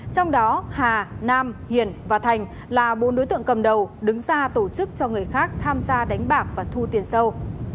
trong đó hà nam hiển và thành là bốn đối tượng cầm đầu đứng ra tổ chức cho người khác tham gia đánh bạc và thu tiền sâu